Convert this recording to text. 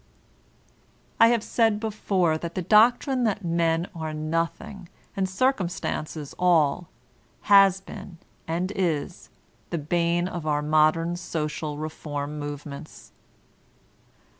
I have said before that the doctrine that men are notbii^ and circumstances all, has been, and is, the bane of our modem social reform movements.